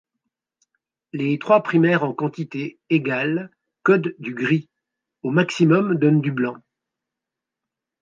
Les trois primaires en quantité égale codent du gris, au maximum donnent du blanc.